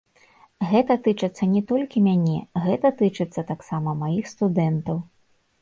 Гэта тычыцца не толькі мяне, гэта тычыцца таксама маіх студэнтаў.